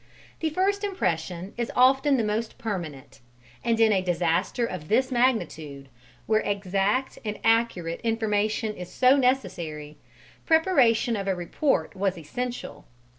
The first impression is often the most permanent, and in a disaster of this magnitude, where exact and accurate information is so necessary, preparation of a report was essential.